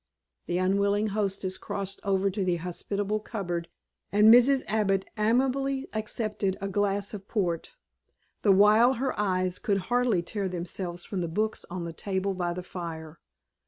The unwilling hostess crossed over to the hospitable cupboard and Mrs. Abbott amiably accepted a glass of port, the while her eyes could hardly tear themselves from the books on the table by the fire.